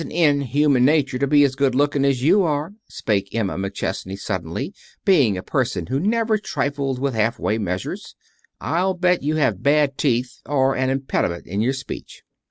] "It isn't in human nature to be as good looking as you are," spake Emma McChesney, suddenly, being a person who never trifled with half way measures. "I'll bet you have bad teeth, or an impediment in your speech."